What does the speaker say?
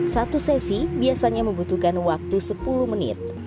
satu sesi biasanya membutuhkan waktu sepuluh menit